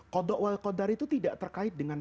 koda dan kodar itu tidak terkait dengan